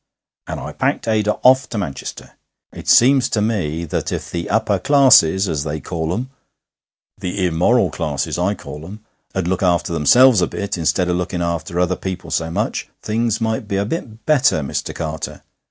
And I packed Ada off to Manchester. It seems to me that if the upper classes, as they call 'em the immoral classes I call 'em 'ud look after themselves a bit instead o' looking after other people so much, things might be a bit better, Mister Carter.